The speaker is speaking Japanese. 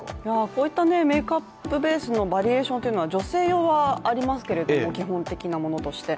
こういったメイクアップベースのバリエーションというのは女性用はありますけれども基本的なものとして。